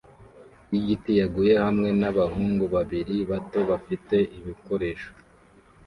yigiti yaguye hamwe nabahungu babiri bato bafite ibikoresho